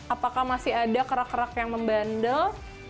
apakah masih ada kerak kerak yang membandel